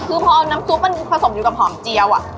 คือพอเอาน้ำซุปมันผสมอยู่กับหอมเจียว